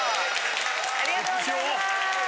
ありがとうございます。